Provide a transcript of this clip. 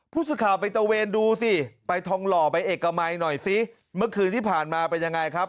ผู้สื่อข่าวไปตะเวนดูสิไปทองหล่อไปเอกมัยหน่อยซิเมื่อคืนที่ผ่านมาเป็นยังไงครับ